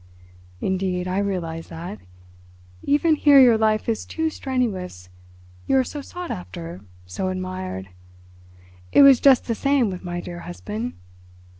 "Indeed I realise that. Even here your life is too strenuous—you are so sought after—so admired. It was just the same with my dear husband.